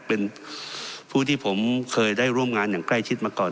เป็นผู้ที่ผมเคยได้ร่วมงานอย่างใกล้ชิดมาก่อน